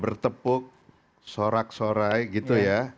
bertepuk sorak sorai gitu ya